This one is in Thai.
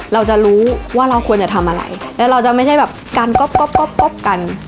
เราจะรู้ว่าเราควรจะทำอะไรและเราจะไม่ใช่กันก๊อบก๊อบก๊อบก๊อบกัน